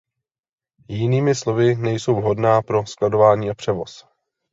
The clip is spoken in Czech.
Jinými slovy, nejsou vhodná pro skladování a převoz.